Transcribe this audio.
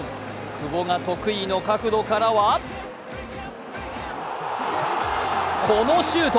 久保が得意の角度からはこのシュート。